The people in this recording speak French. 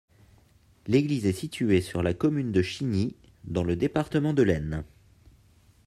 L'église est située sur la commune de Chigny, dans le département de l'Aisne.